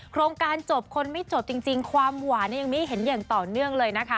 โครงการจบคนไม่จบจริงความหวานยังไม่เห็นอย่างต่อเนื่องเลยนะคะ